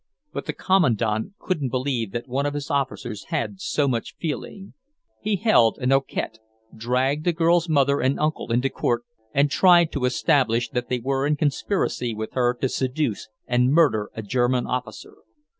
But the Kommandant couldn't believe that one of his officers had so much feeling. He held an enquête, dragged the girl's mother and uncle into court, and tried to establish that they were in conspiracy with her to seduce and murder a German officer.